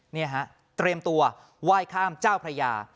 นี่ฮะเตรียมตัวไหว้ข้ามเจ้าพระยา